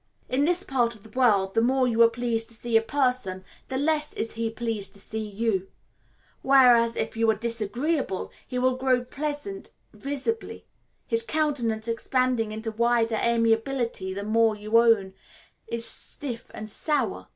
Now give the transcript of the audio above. In this part of the world the more you are pleased to see a person the less is he pleased to see you; whereas, if you are disagreeable, he will grow pleasant visibly, his countenance expanding into wider amiability the more your own is stiff and sour.